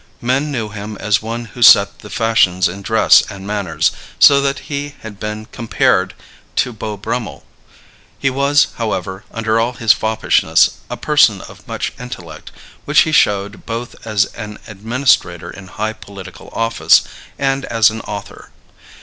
Men knew him as one who set the fashions in dress and manners, so that he had been compared to Beau Brummel. He was, however, under all his foppishness, a person of much intellect, which he showed both as an administrator in high political office and as an author.